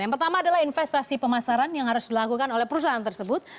yang pertama adalah investasi pemasaran yang harus dilakukan oleh perusahaan tersebut